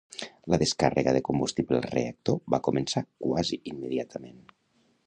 La descàrrega de combustible al reactor va començar quasi immediatament.